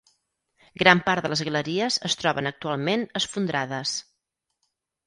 Gran part de les galeries es troben actualment esfondrades.